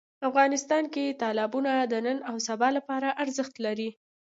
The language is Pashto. افغانستان کې تالابونه د نن او سبا لپاره ارزښت لري.